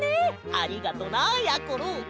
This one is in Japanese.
ありがとなやころ！